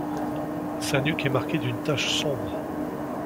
Sa nuque est marquée d'une tache sombre.